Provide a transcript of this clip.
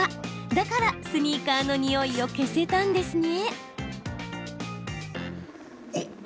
だからスニーカーのにおいを消せたんですね。